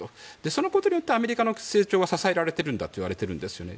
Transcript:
そのことによってアメリカの成長が支えられているんだといわれているんですよね。